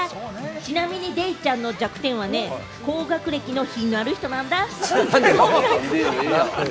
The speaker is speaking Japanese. ちなみにデイちゃんの弱点はね、高学歴の品がある人なんだ。